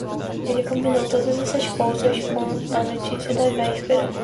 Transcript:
Ele combinou todas essas cousas com a notícia da véspera.